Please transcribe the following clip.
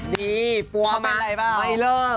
ดีปั๊วมาไม่เลิก